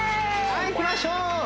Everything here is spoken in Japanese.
はいいきましょう